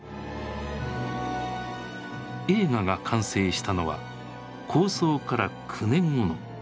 映画が完成したのは構想から９年後の１９８５年。